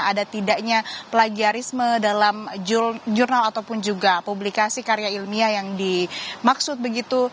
ada tidaknya plagiarisme dalam jurnal ataupun juga publikasi karya ilmiah yang dimaksud begitu